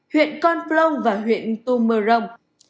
huyện con phlong và huyện tum mơ rồng